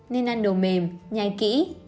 nên ăn đồ mềm nhai kỹ